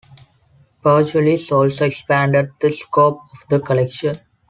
Pargellis also expanded the scope of the collection.